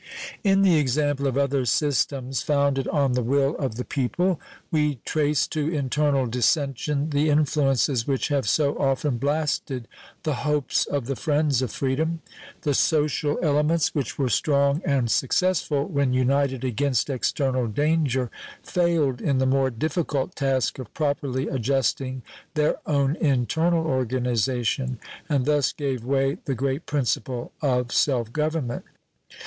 In the example of other systems founded on the will of the people we trace to internal dissension the influences which have so often blasted the hopes of the friends of freedom. The social elements, which were strong and successful when united against external danger, failed in the more difficult task of properly adjusting their own internal organization, and thus gave way the great principle of self government.